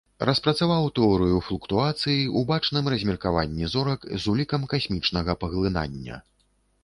Распрацаваў тэорыю флуктуацыі у бачным размеркаванні зорак з улікам касмічнага паглынання.